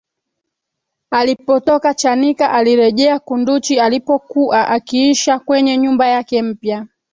Alipotoka chanika alirejea kunduchi alipokua akiisha kwenye nyumba yake mpya